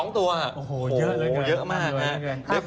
๑๒ตัวโอ้โหเยอะมาก